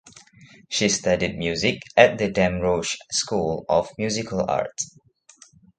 She studied music at the Damrosch School of Musical Art.